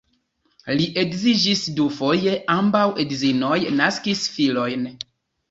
Li edziĝis dufoje, ambaŭ edzinoj naskis filojn.